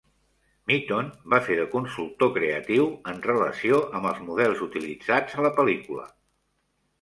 Mitton va fer de consultor creatiu en relació amb els models utilitzats a la pel·lícula.